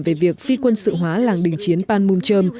về việc phi quân sự hóa làng đình chiến panmunjom